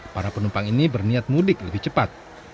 para penumpang ini berniat mudik lebih cepat